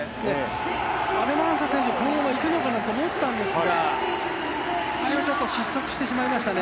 アルマンサ選手は行くのかなと思ったんですが、最後、失速してしまいましたね。